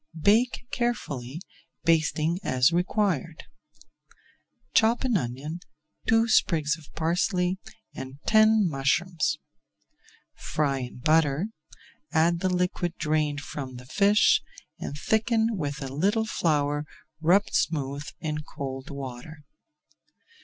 Bake carefully, basting as required. Chop an onion, two sprigs of parsley, and ten mushrooms. Fry in butter, add the liquid drained from the fish, and thicken with a little flour rubbed smooth in cold water.